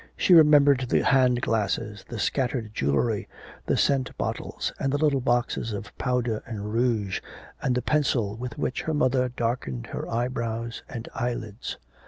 She remembered the hand glasses, the scattered jewellery, the scent bottles, and the little boxes of powder and rouge, and the pencil with which her mother darkened her eyebrows and eyelids.